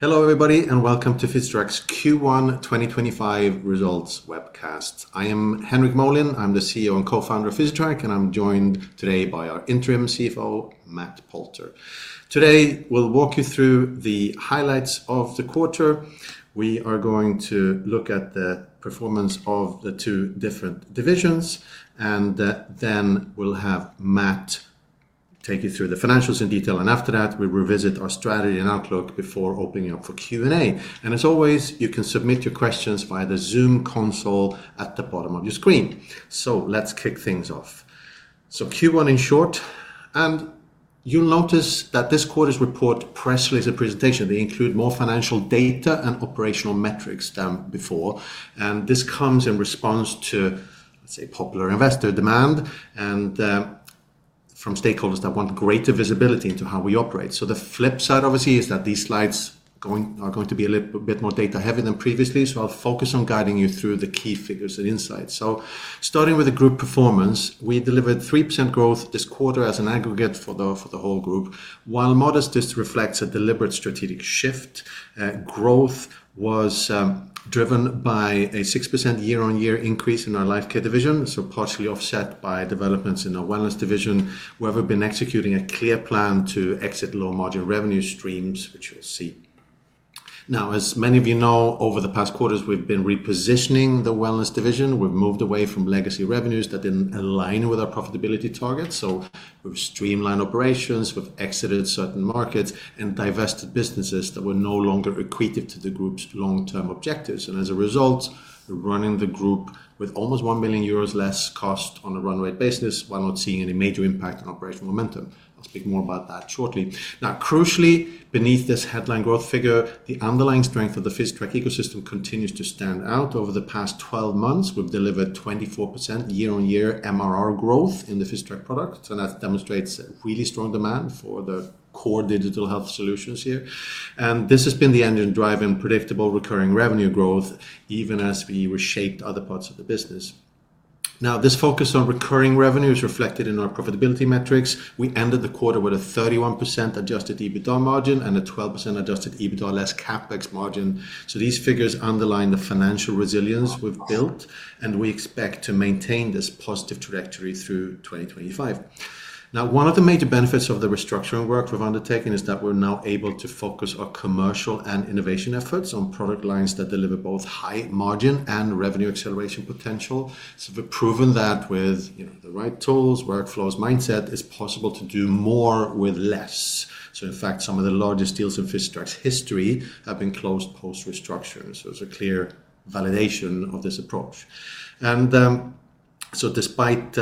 Hello, everybody, and welcome to Physitrack's Q1 2025 results webcast. I am Henrik Molin. I'm the CEO and co-founder of Physitrack, and I'm joined today by our interim CFO, Matt Poulter. Today, we'll walk you through the highlights of the quarter. We are going to look at the performance of the two different divisions, and then we'll have Matt take you through the financials in detail. After that, we'll revisit our strategy and outlook before opening up for Q&A. As always, you can submit your questions via the Zoom console at the bottom of your screen. Let's kick things off. Q1 in short, and you'll notice that this quarter's report, press release and presentation, they include more financial data and operational metrics than before. This comes in response to, let's say, popular investor demand and from stakeholders that want greater visibility into how we operate. The flip side, obviously, is that these slides are going to be a little bit more data-heavy than previously, so I'll focus on guiding you through the key figures and insights. Starting with the group performance, we delivered 3% growth this quarter as an aggregate for the whole group, while modestness reflects a deliberate strategic shift. Growth was driven by a 6% year-on-year increase in our Lifecare division, so partially offset by developments in our Wellness division. We've been executing a clear plan to exit low-margin revenue streams, which you'll see. Now, as many of you know, over the past quarters, we've been repositioning the Wellness division. We've moved away from legacy revenues that didn't align with our profitability targets. We've streamlined operations, we've exited certain markets, and divested businesses that were no longer equated to the group's long-term objectives. As a result, we're running the group with almost 1 million euros less cost on a runway basis while not seeing any major impact on operational momentum. I'll speak more about that shortly. Now, crucially, beneath this headline growth figure, the underlying strength of the Physitrack ecosystem continues to stand out. Over the past 12 months, we've delivered 24% year-on-year MRR growth in the Physitrack products, and that demonstrates really strong demand for the core digital health solutions here. This has been the engine driving predictable recurring revenue growth, even as we reshaped other parts of the business. This focus on recurring revenue is reflected in our profitability metrics. We ended the quarter with a 31% Adjusted EBITDA margin and a 12% Adjusted EBITDA less CapEx margin. These figures underline the financial resilience we've built, and we expect to maintain this positive trajectory through 2025. Now, one of the major benefits of the restructuring work we've undertaken is that we're now able to focus our commercial and innovation efforts on product lines that deliver both high margin and revenue acceleration potential. We've proven that with the right tools, workflows, and mindset, it's possible to do more with less. In fact, some of the largest deals in Physitrack's history have been closed post-restructuring. It's a clear validation of this approach. Despite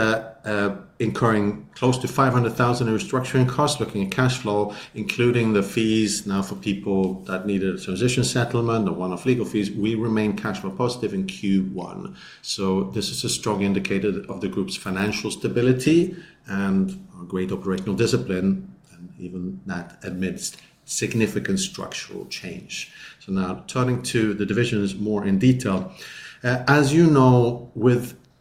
incurring close to 500,000 in restructuring costs, looking at cash flow, including the fees now for people that needed a transition settlement or one-off legal fees, we remain cash flow positive in Q1. This is a strong indicator of the group's financial stability and great operational discipline, even that amidst significant structural change. Now, turning to the divisions more in detail. As you know,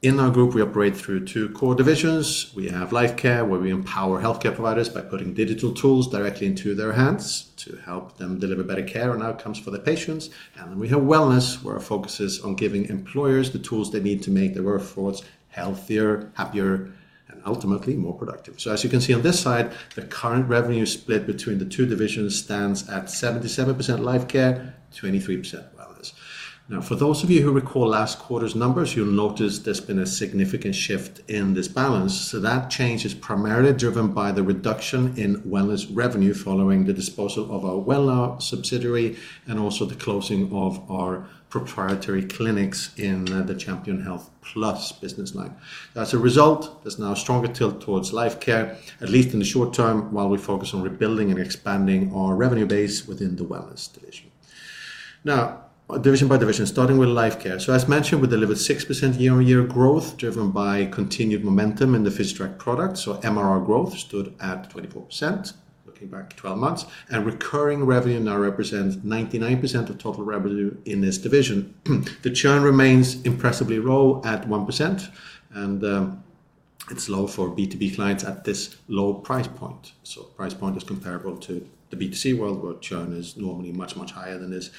within our group, we operate through two core divisions. We have Lifecare, where we empower healthcare providers by putting digital tools directly into their hands to help them deliver better care and outcomes for their patients. We have Wellness, where our focus is on giving employers the tools they need to make their workforce healthier, happier, and ultimately more productive. As you can see on this side, the current revenue split between the two divisions stands at 77% Lifecare, 23% Wellness. For those of you who recall last quarter's numbers, you'll notice there's been a significant shift in this balance. That change is primarily driven by the reduction in Wellness revenue following the disposal of our Wellnow subsidiary and also the closing of our proprietary clinics in the Champion Health Plus business line. As a result, there's now a stronger tilt towards Lifecare, at least in the short term, while we focus on rebuilding and expanding our revenue base within the Wellness division. Now, division by division, starting with Lifecare. As mentioned, we delivered 6% year-on-year growth driven by continued momentum in the Physitrack product. MRR growth stood at 24%, looking back 12 months, and recurring revenue now represents 99% of total revenue in this division. The churn remains impressively low at 1%, and it's low for B2B clients at this low price point. Price point is comparable to the B2C world, where churn is normally much, much higher than this.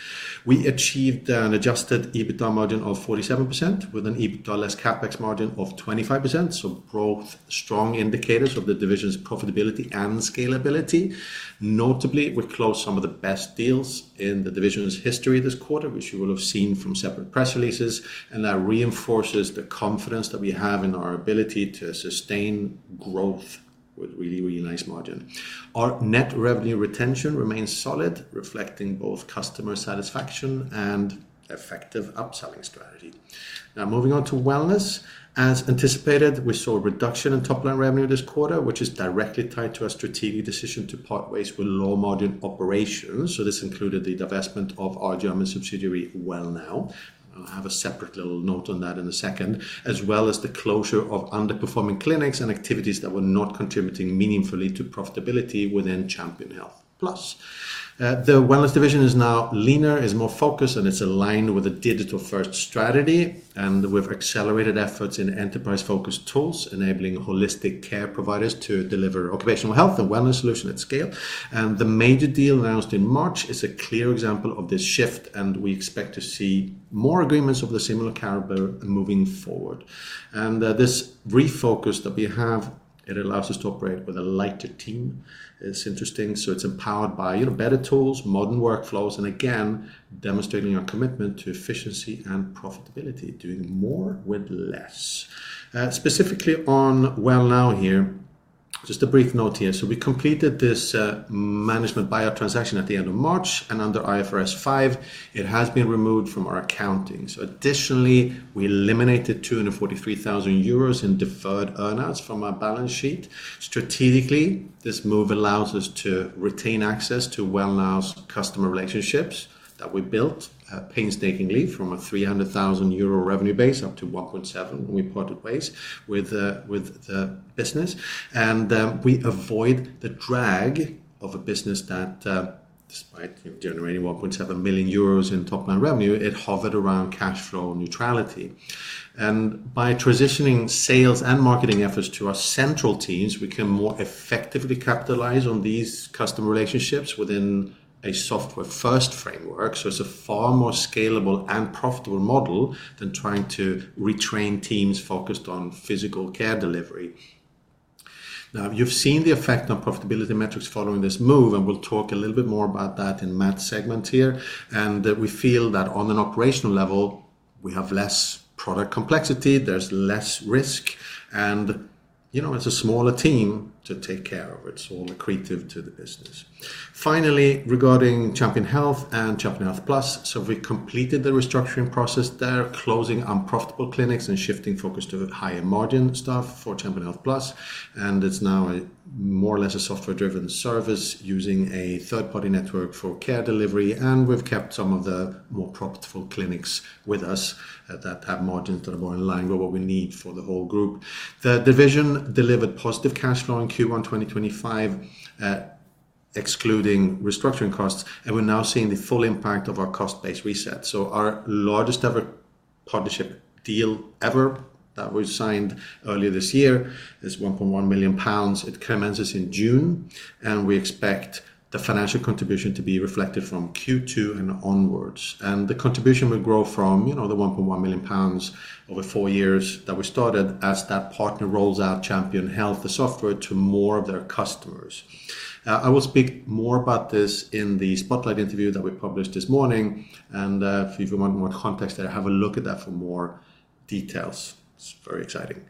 We achieved an Adjusted EBITDA margin of 47% with an EBITDA less CapEx margin of 25%. Both are strong indicators of the division's profitability and scalability. Notably, we closed some of the best deals in the division's history this quarter, which you will have seen from separate press releases. That reinforces the confidence that we have in our ability to sustain growth with really, really nice margin. Our net revenue retention remains solid, reflecting both customer satisfaction and effective upselling strategy. Now, moving on to wellness. As anticipated, we saw a reduction in top-line revenue this quarter, which is directly tied to our strategic decision to part ways with low-margin operations. This included the divestment of our German subsidiary, Wellnow. I will have a separate little note on that in a second, as well as the closure of underperforming clinics and activities that were not contributing meaningfully to profitability within Champion Health Plus. The wellness division is now leaner, is more focused, and it is aligned with a digital-first strategy. We have accelerated efforts in enterprise-focused tools, enabling holistic care providers to deliver occupational health and wellness solutions at scale. The major deal announced in March is a clear example of this shift, and we expect to see more agreements of similar caliber moving forward. This refocus that we have allows us to operate with a lighter team. It's interesting. It's empowered by better tools, modern workflows, and again, demonstrating our commitment to efficiency and profitability, doing more with less. Specifically on Wellnow here, just a brief note. We completed this management buyout transaction at the end of March, and under IFRS 5, it has been removed from our accounting. Additionally, we eliminated 243,000 euros in deferred earnings from our balance sheet. Strategically, this move allows us to retain access to Wellnow's customer relationships that we built painstakingly from a 300,000 euro revenue base up to 1.7 million when we parted ways with the business. We avoid the drag of a business that, despite generating 1.7 million euros in top-line revenue, hovered around cash flow neutrality. By transitioning sales and marketing efforts to our central teams, we can more effectively capitalize on these customer relationships within a software-first framework. It is a far more scalable and profitable model than trying to retrain teams focused on physical care delivery. You have seen the effect on profitability metrics following this move, and we will talk a little bit more about that in Matt's segment here. We feel that on an operational level, we have less product complexity, there is less risk, and it is a smaller team to take care of. It's all accretive to the business. Finally, regarding Champion Health and Champion Health Plus, we completed the restructuring process there, closing unprofitable clinics and shifting focus to higher margin stuff for Champion Health Plus. It is now more or less a software-driven service using a third-party network for care delivery. We have kept some of the more profitable clinics with us that have margins that are more in line with what we need for the whole group. The division delivered positive cash flow in Q1 2025, excluding restructuring costs, and we are now seeing the full impact of our cost-based reset. Our largest ever partnership deal that we signed earlier this year is 1.1 million pounds. It commences in June, and we expect the financial contribution to be reflected from Q2 and onwards. The contribution will grow from the 1.1 million pounds over four years that we started as that partner rolls out Champion Health, the software, to more of their customers. I will speak more about this in the Spotlight interview that we published this morning. If you want more context there, have a look at that for more details. It is very exciting.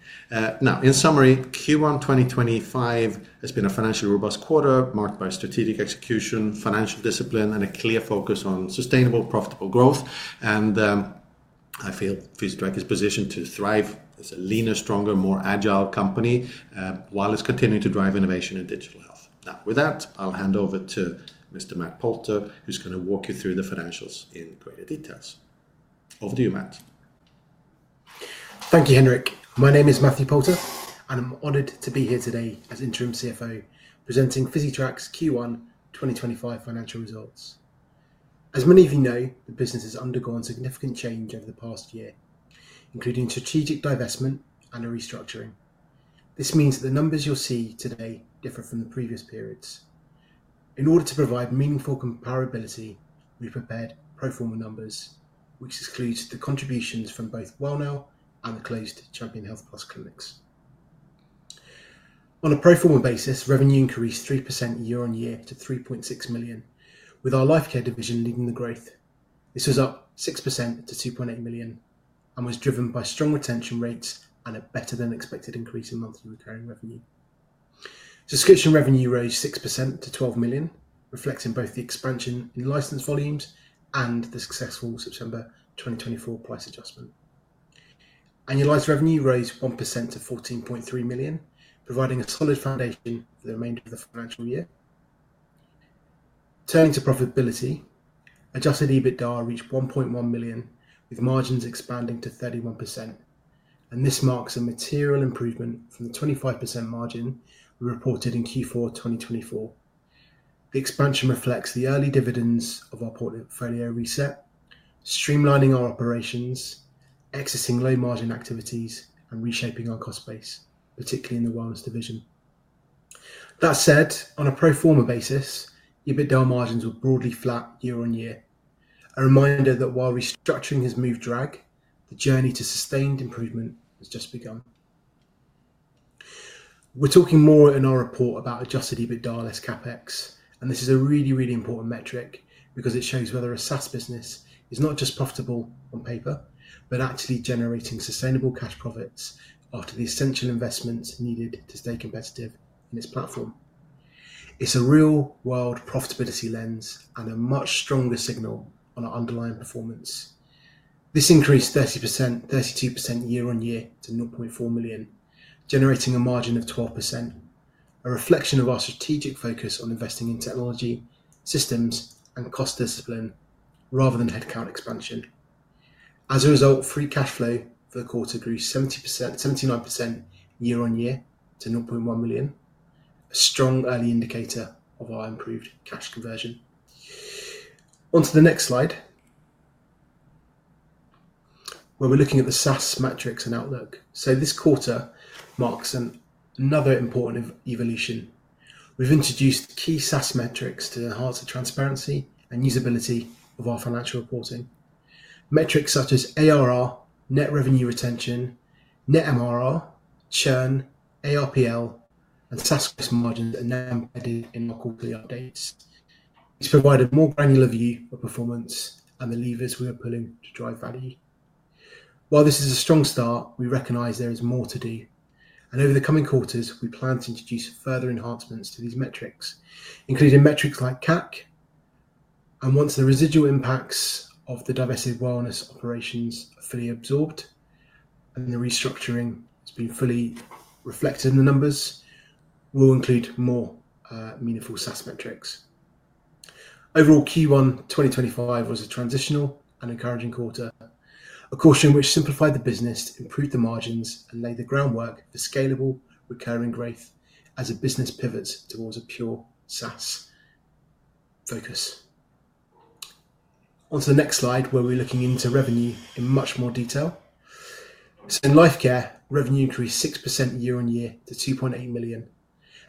In summary, Q1 2025 has been a financially robust quarter marked by strategic execution, financial discipline, and a clear focus on sustainable, profitable growth. I feel Physitrack is positioned to thrive as a leaner, stronger, more agile company while it is continuing to drive innovation in digital health. With that, I will hand over to Mr. Matt Poulter, who is going to walk you through the financials in greater details. Over to you, Matt. Thank you, Henrik. My name is Matt Poulter, and I'm honored to be here today as Interim CFO presenting Physitrack's Q1 2025 financial results. As many of you know, the business has undergone significant change over the past year, including strategic divestment and a restructuring. This means that the numbers you'll see today differ from the previous periods. In order to provide meaningful comparability, we prepared pro forma numbers, which exclude the contributions from both Wellnow and the closed Champion Health Plus clinics. On a pro forma basis, revenue increased 3% year-on-year to 3.6 million, with our Lifecare division leading the growth. This was up 6% to 2.8 million and was driven by strong retention rates and a better-than-expected increase in monthly recurring revenue. Subscription revenue rose 6% to 12 million, reflecting both the expansion in license volumes and the successful September 2024 price adjustment. Annualized revenue rose 1% to 14.3 million, providing a solid foundation for the remainder of the financial year. Turning to profitability, Adjusted EBITDA reached 1.1 million, with margins expanding to 31%. This marks a material improvement from the 25% margin we reported in Q4 2024. The expansion reflects the early dividends of our portfolio reset, streamlining our operations, exiting low-margin activities, and reshaping our cost base, particularly in the wellness division. That said, on a pro forma basis, EBITDA margins were broadly flat year-on-year. A reminder that while restructuring has moved drag, the journey to sustained improvement has just begun. We're talking more in our report about Adjusted EBITDA less CapEx, and this is a really, really important metric because it shows whether a SaaS business is not just profitable on paper, but actually generating sustainable cash profits after the essential investments needed to stay competitive in its platform. It's a real-world profitability lens and a much stronger signal on our underlying performance. This increased 30%-32% year-on-year to 0.4 million, generating a margin of 12%, a reflection of our strategic focus on investing in technology, systems, and cost discipline rather than headcount expansion. As a result, free cash flow for the quarter grew 79% year-on-year to 0.1 million, a strong early indicator of our improved cash conversion. Onto the next slide, where we're looking at the SaaS metrics and outlook. This quarter marks another important evolution. We've introduced key SaaS metrics to enhance the transparency and usability of our financial reporting. Metrics such as ARR, net revenue retention, net MRR, churn, ARPL, and SaaS margins are now embedded in our quarterly updates. It's provided a more granular view of performance and the levers we are pulling to drive value. While this is a strong start, we recognize there is more to do. Over the coming quarters, we plan to introduce further enhancements to these metrics, including metrics like CAC. Once the residual impacts of the divisive wellness operations are fully absorbed and the restructuring has been fully reflected in the numbers, we will include more meaningful SaaS metrics. Overall, Q1 2025 was a transitional and encouraging quarter, a caution which simplified the business, improved the margins, and laid the groundwork for scalable, recurring growth as the business pivots towards a pure SaaS focus. Onto the next slide, where we are looking into revenue in much more detail. In Lifecare, revenue increased 6% year-on-year to 2.8 million.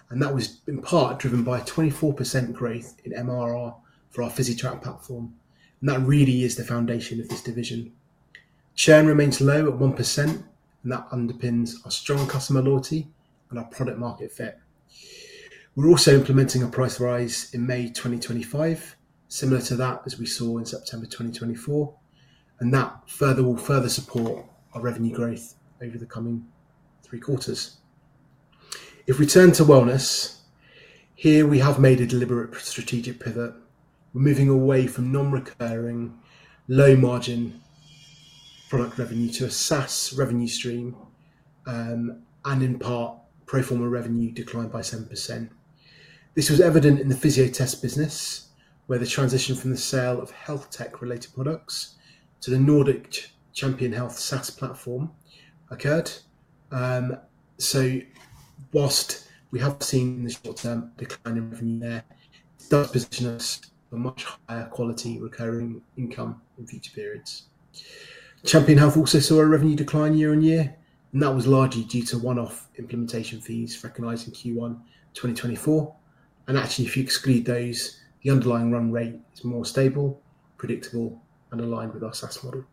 That was in part driven by 24% growth in MRR for our Physitrack platform. That really is the foundation of this division. Churn remains low at 1%, and that underpins our strong customer loyalty and our product-market fit. We're also implementing a price rise in May 2025, similar to that as we saw in September 2024. That will further support our revenue growth over the coming three quarters. If we turn to wellness, here we have made a deliberate strategic pivot. We're moving away from non-recurring, low-margin product revenue to a SaaS revenue stream and, in part, pro forma revenue declined by 7%. This was evident in the Fysiotest business, where the transition from the sale of health tech-related products to the Nordic Champion Health SaaS platform occurred. Whilst we have seen the short-term decline in revenue there, it does position us for much higher quality recurring income in future periods. Champion Health also saw a revenue decline year-on-year, and that was largely due to one-off implementation fees recognized in Q1 2024. Actually, if you exclude those, the underlying run rate is more stable, predictable, and aligned with our SaaS model.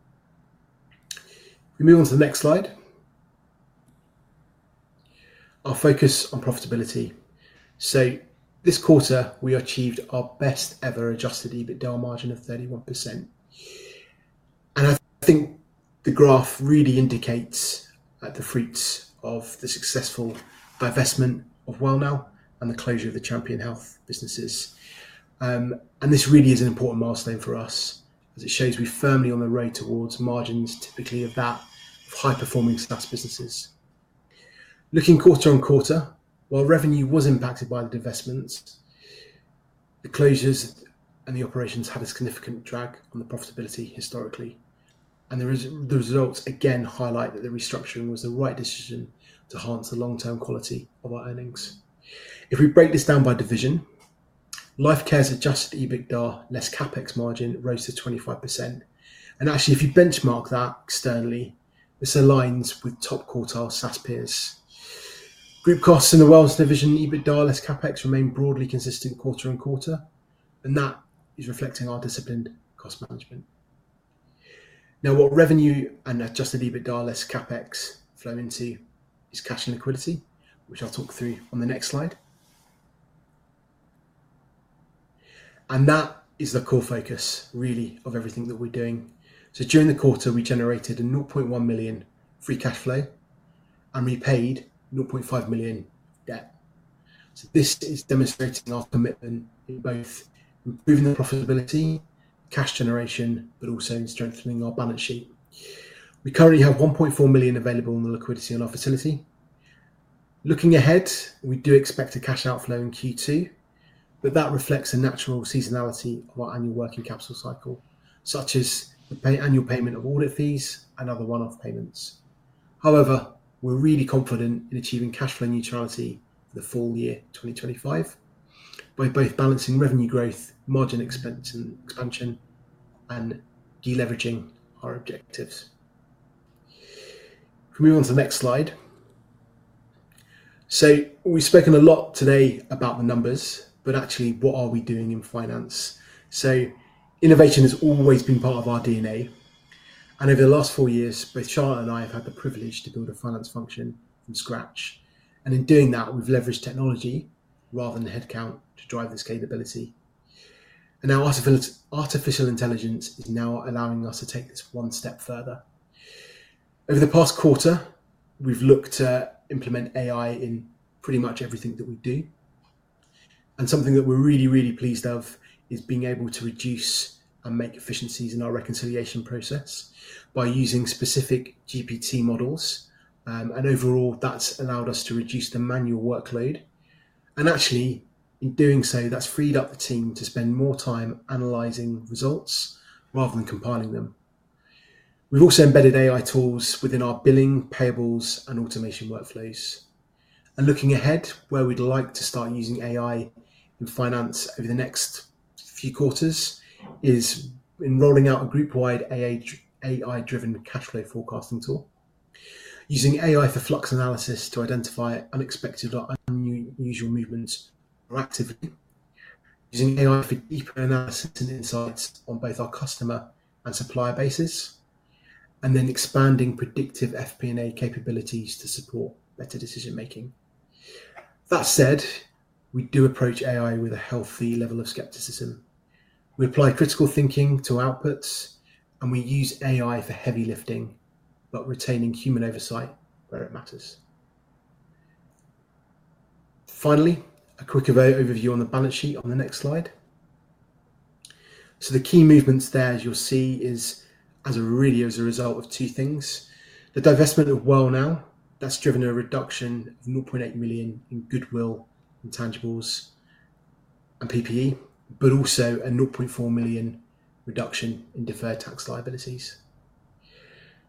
We move on to the next slide. Our focus on profitability. This quarter, we achieved our best-ever Adjusted EBITDA margin of 31%. I think the graph really indicates the fruits of the successful divestment of Wellnow and the closure of the Champion Health businesses. This really is an important milestone for us, as it shows we're firmly on the road towards margins typically of that of high-performing SaaS businesses. Looking quarter on quarter, while revenue was impacted by the divestments, the closures and the operations had a significant drag on the profitability historically. The results again highlight that the restructuring was the right decision to enhance the long-term quality of our earnings. If we break this down by division, Lifecare's Adjusted EBITDA less CapEx margin rose to 25%. Actually, if you benchmark that externally, this aligns with top quartile SaaS peers. Group costs in the Wellness division, EBITDA less CapEx remain broadly consistent quarter on quarter, and that is reflecting our disciplined cost management. What revenue and Adjusted EBITDA less CapEx flow into is cash and liquidity, which I'll talk through on the next slide. That is the core focus, really, of everything that we're doing. During the quarter, we generated a 0.1 million free cash flow and repaid 0.5 million debt. This is demonstrating our commitment in both improving the profitability, cash generation, but also in strengthening our balance sheet. We currently have 1.4 million available in the liquidity on our facility. Looking ahead, we do expect a cash outflow in Q2, but that reflects the natural seasonality of our annual working capital cycle, such as the annual payment of audit fees and other one-off payments. However, we're really confident in achieving cash flow neutrality for the full year 2025 by both balancing revenue growth, margin expansion, and deleveraging our objectives. If we move on to the next slide. We've spoken a lot today about the numbers, but actually, what are we doing in finance? Innovation has always been part of our DNA. Over the last four years, both Charlotte and I have had the privilege to build a finance function from scratch. In doing that, we've leveraged technology rather than headcount to drive this capability. Artificial intelligence is now allowing us to take this one step further. Over the past quarter, we've looked to implement AI in pretty much everything that we do. Something that we're really, really pleased of is being able to reduce and make efficiencies in our reconciliation process by using specific GPT models. Overall, that's allowed us to reduce the manual workload. Actually, in doing so, that's freed up the team to spend more time analyzing results rather than compiling them. We've also embedded AI tools within our billing, payables, and automation workflows. Looking ahead, where we'd like to start using AI in finance over the next few quarters is in rolling out a group-wide AI-driven cash flow forecasting tool, using AI for flux analysis to identify unexpected or unusual movements proactively, using AI for deeper analysis and insights on both our customer and supplier bases, and then expanding predictive FP&A capabilities to support better decision-making. That said, we do approach AI with a healthy level of skepticism. We apply critical thinking to our outputs, and we use AI for heavy lifting, but retaining human oversight where it matters. Finally, a quick overview on the balance sheet on the next slide. The key movements there, as you'll see, are really as a result of two things. The divestment of Wellnow, that's driven a reduction of 0.8 million in goodwill, intangibles, and PPE, but also a 0.4 million reduction in deferred tax liabilities.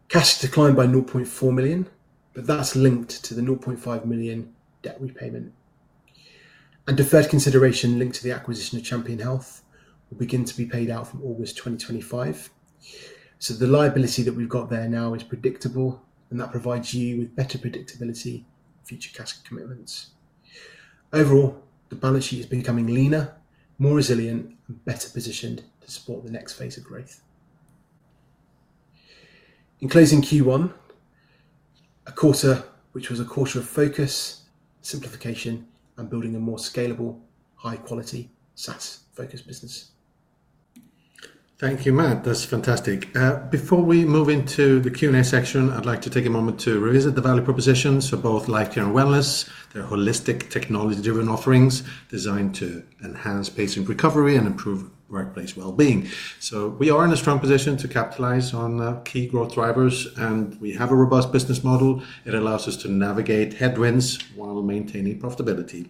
Cash declined by 0.4 million, but that's linked to the 0.5 million debt repayment. Deferred consideration linked to the acquisition of Champion Health will begin to be paid out from August 2025. The liability that we've got there now is predictable, and that provides you with better predictability for future cash commitments. Overall, the balance sheet is becoming leaner, more resilient, and better positioned to support the next phase of growth. In closing Q1, a quarter which was a quarter of focus, simplification, and building a more scalable, high-quality SaaS-focused business. Thank you, Matt. That's fantastic. Before we move into the Q&A section, I'd like to take a moment to revisit the value propositions for both Lifecare and Wellness. They're holistic technology-driven offerings designed to enhance patient recovery and improve workplace well-being. We are in a strong position to capitalize on key growth drivers, and we have a robust business model. It allows us to navigate headwinds while maintaining profitability.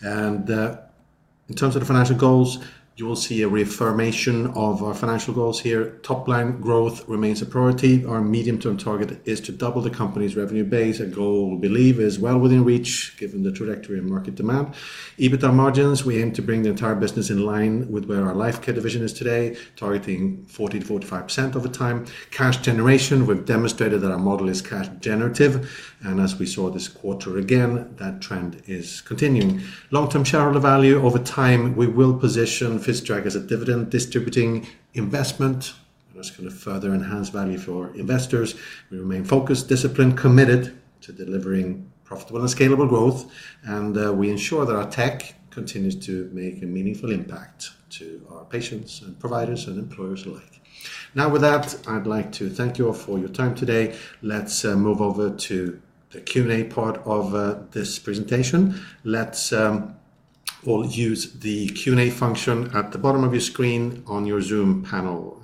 In terms of the financial goals, you will see a reaffirmation of our financial goals here. Top-line growth remains a priority. Our medium-term target is to double the company's revenue base. Our goal, we believe, is well within reach given the trajectory of market demand. EBITDA margins, we aim to bring the entire business in line with where our Lifecare division is today, targeting 40%-45% over time. Cash generation, we've demonstrated that our model is cash generative. As we saw this quarter again, that trend is continuing. Long-term shareholder value, over time, we will position Physitrack as a dividend-distributing investment that is going to further enhance value for investors. We remain focused, disciplined, committed to delivering profitable and scalable growth. We ensure that our tech continues to make a meaningful impact to our patients and providers and employers alike. Now, with that, I'd like to thank you all for your time today. Let's move over to the Q&A part of this presentation. Let's all use the Q&A function at the bottom of your screen on your Zoom panel.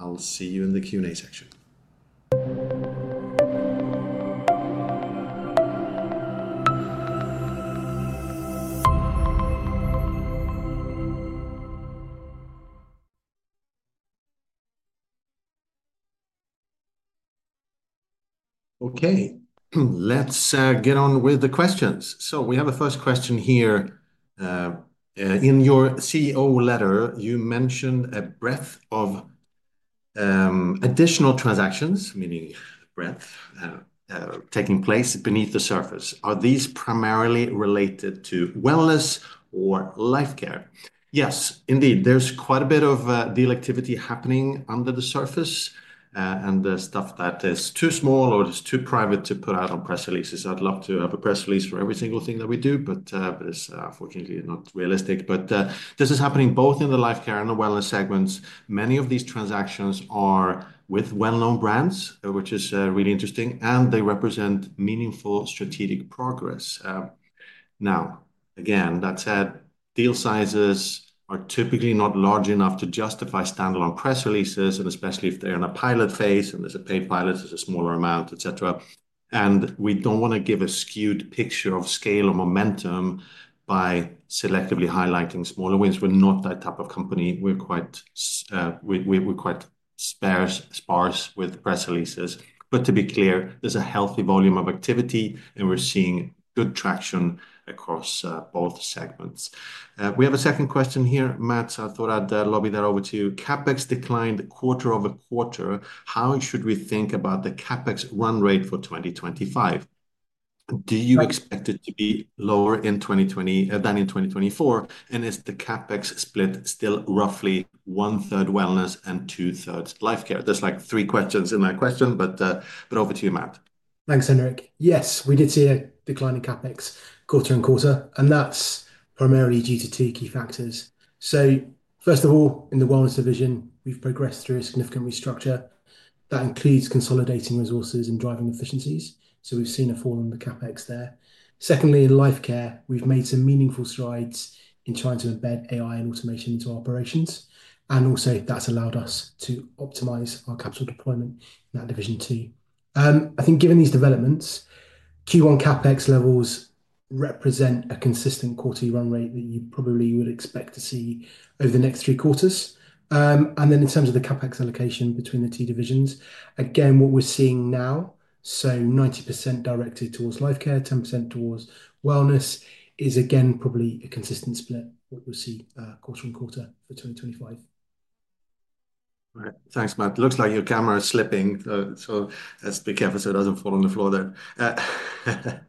I'll see you in the Q&A section. Okay, let's get on with the questions. We have a first question here. In your CEO letter, you mentioned a breadth of additional transactions, meaning breadth, taking place beneath the surface. Are these primarily related to wellness or life care? Yes, indeed. There's quite a bit of deal activity happening under the surface and stuff that is too small or is too private to put out on press releases. I'd love to have a press release for every single thing that we do, but it's unfortunately not realistic. This is happening both in the Lifecare and the Wellness segments. Many of these transactions are with well-known brands, which is really interesting, and they represent meaningful strategic progress. Now, again, that said, deal sizes are typically not large enough to justify standalone press releases, especially if they're in a pilot phase and there's a paid pilot, there's a smaller amount, etc. We don't want to give a skewed picture of scale or momentum by selectively highlighting smaller wins. We're not that type of company. We're quite sparse with press releases. To be clear, there's a healthy volume of activity, and we're seeing good traction across both segments. We have a second question here. Matt, I thought I'd lobby that over to you. CapEx declined quarter over quarter. How should we think about the CapEx run rate for 2025? Do you expect it to be lower than in 2024? Is the CapEx split still roughly one-third wellness and two-thirds life care? There's like three questions in that question, but over to you, Matt. Thanks, Henrik. Yes, we did see a declining CapEx quarter on quarter, and that's primarily due to two key factors. First of all, in the wellness division, we've progressed through a significant restructure. That includes consolidating resources and driving efficiencies. We've seen a fall in the CapEx there. Secondly, in Lifecare, we've made some meaningful strides in trying to embed AI and automation into our operations. Also, that's allowed us to optimize our capital deployment in that division too. I think given these developments, Q1 CapEx levels represent a consistent quarterly run rate that you probably would expect to see over the next three quarters. In terms of the CapEx allocation between the two divisions, again, what we're seeing now, so 90% directed towards Lifecare, 10% towards Wellness, is again probably a consistent split what you'll see quarter and quarter for 2025. All right, thanks, Matt. Looks like your camera is slipping, so let's be careful so it doesn't fall on the floor there.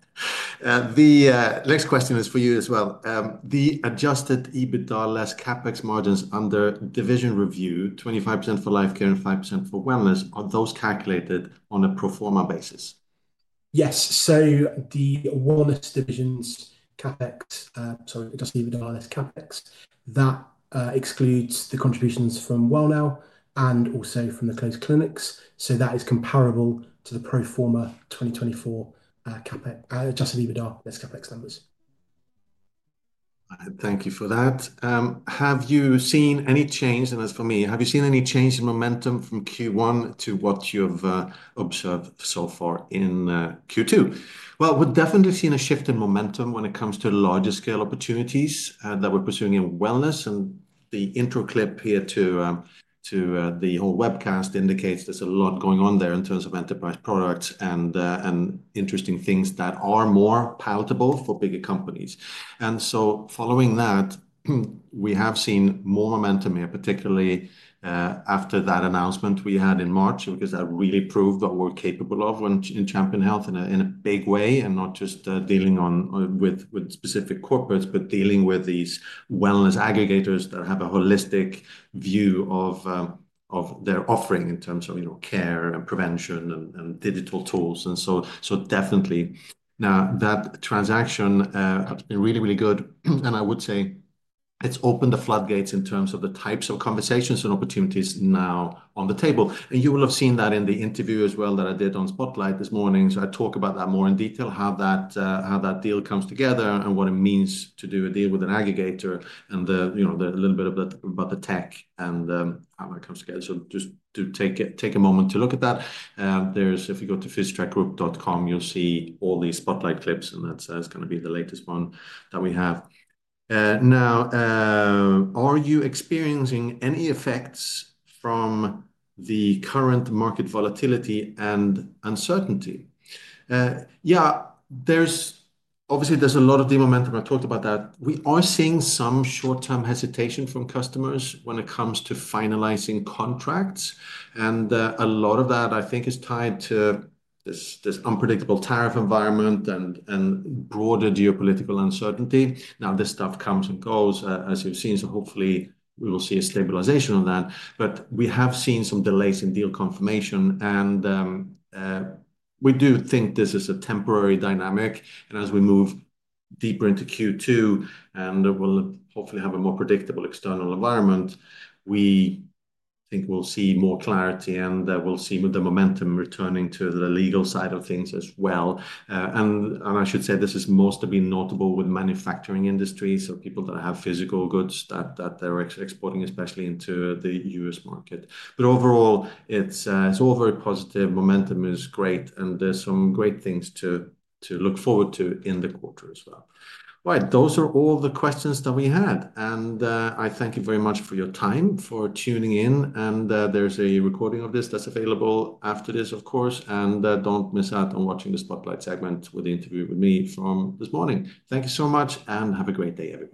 The next question is for you as well. The Adjusted EBITDA less CapEx margins under division review, 25% for Lifecare and 5% for Wellness, are those calculated on a pro forma basis? Yes. The Wellness division's CapEx, sorry, Adjusted EBITDA less CapEx, that excludes the contributions from Wellnow and also from the closed clinics. That is comparable to the pro forma 2024 Adjusted EBITDA less CapEx numbers. Thank you for that. Have you seen any change, and as for me, have you seen any change in momentum from Q1 to what you've observed so far in Q2? We've definitely seen a shift in momentum when it comes to larger scale opportunities that we're pursuing in Wellness. The intro clip here to the whole webcast indicates there's a lot going on there in terms of enterprise products and interesting things that are more palatable for bigger companies. Following that, we have seen more momentum here, particularly after that announcement we had in March, because that really proved what we're capable of in Champion Health in a big way, and not just dealing with specific corporates, but dealing with these wellness aggregators that have a holistic view of their offering in terms of care and prevention and digital tools. Definitely, now that transaction has been really, really good. I would say it's opened the floodgates in terms of the types of conversations and opportunities now on the table. You will have seen that in the interview as well that I did on Spotlight this morning. I talk about that more in detail, how that deal comes together and what it means to do a deal with an aggregator and a little bit about the tech and how that comes together. Just to take a moment to look at that, if you go to physiatrackgroup.com, you'll see all these Spotlight clips, and that's going to be the latest one that we have. Now, are you experiencing any effects from the current market volatility and uncertainty? Yeah, obviously, there's a lot of de-momentum. I talked about that. We are seeing some short-term hesitation from customers when it comes to finalizing contracts. A lot of that, I think, is tied to this unpredictable tariff environment and broader geopolitical uncertainty. This stuff comes and goes, as you've seen. Hopefully, we will see a stabilization of that. We have seen some delays in deal confirmation. We do think this is a temporary dynamic. As we move deeper into Q2 and will hopefully have a more predictable external environment, we think we'll see more clarity and we'll see the momentum returning to the legal side of things as well. I should say this has mostly been notable with manufacturing industries, so people that have physical goods that they're exporting, especially into the U.S. market. Overall, it's all very positive. Momentum is great, and there's some great things to look forward to in the quarter as well. All right, those are all the questions that we had. I thank you very much for your time for tuning in. There's a recording of this that's available after this, of course. Don't miss out on watching the Spotlight segment with the interview with me from this morning. Thank you so much, and have a great day everyone.